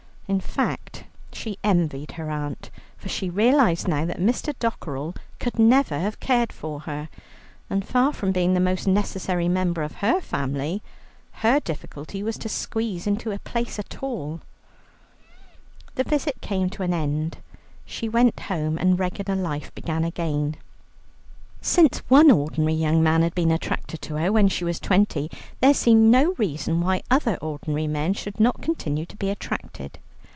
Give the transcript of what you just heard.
In fact she envied her aunt, for she realized now that Mr. Dockerell could never have cared for her. And far from being the most necessary member of her family, her difficulty was to squeeze into a place at all. The visit came to an end. She went home, and regular life began again. Since one ordinary young man had been attracted to her when she was twenty, there seemed no reason why other ordinary men should not continue to be attracted.